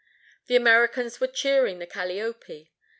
The Americans were cheering the Calliope.